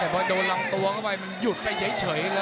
แต่พอโดดหลังตัวกันไปมันหยุดไปเย็นเฉย